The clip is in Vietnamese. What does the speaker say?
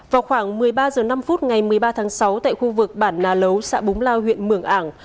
vào khoảng một mươi ba h năm ngày một mươi ba tháng sáu tại khu vực bản nà lấu xã búng lao huyện mường ảng